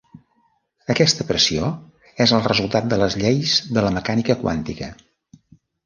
Aquesta pressió és el resultat de les lleis de la mecànica quàntica.